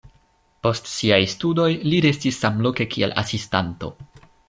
Post siaj studoj li restis samloke kiel asistanto.